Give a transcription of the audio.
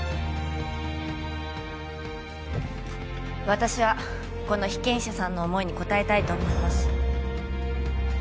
私はこの被験者さんの思いに応えたいと思います